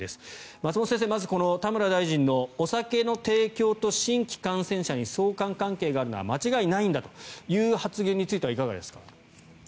松本先生田村大臣のお酒の提供と新規感染者に相関関係があるのは間違いないんだという発言についてはいかがですか？